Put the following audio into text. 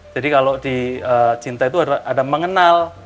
jadi kalau di cinta itu ada mengenal